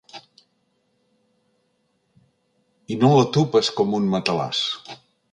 I no l’atupes com un matalàs.